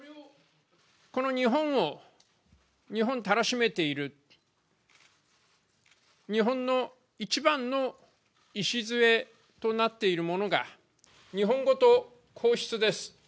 この日本を、日本たらしめている日本の一番の礎となっているものが日本語と皇室です。